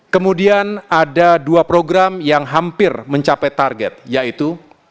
kemudian ada dua program yang hampir mencapai target yaitu